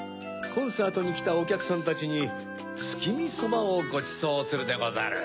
コンサートにきたおきゃくさんたちにつきみそばをごちそうするでござる。